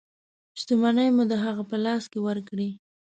شتمنۍ مو د هغه په لاس کې ورکړې.